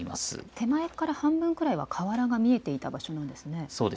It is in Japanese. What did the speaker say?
手前から半分くらいは河原が見えていた場所なんですね。